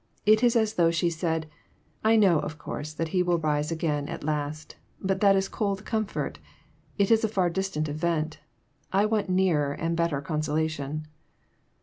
It is as though she said, *< I know, of course, that he will rise again at last ; but that is cold comfort. It is a far distant event. I want nearer and better consolation."